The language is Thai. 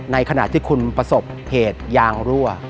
ในขณะที่คุณประสบเหตุยางรั่ว